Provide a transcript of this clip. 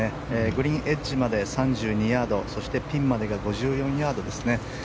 グリーンエッジまで３２ヤードそしてピンまでが５４ヤードですね。